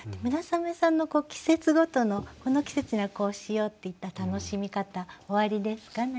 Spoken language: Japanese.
村雨さんの季節ごとの「この季節にはこうしよう」っていった楽しみ方おありですか？